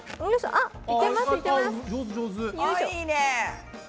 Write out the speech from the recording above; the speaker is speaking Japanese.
あいいね。